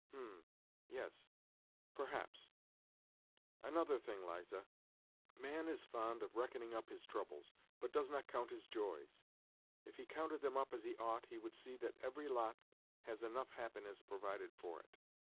" H'm ... yes. Perhaps. Another thing, Liza, man is fond of reckoning up his troubles, but does not count his joys. If he counted them up as he ought, he would see that every lot has enough happiness provided for it.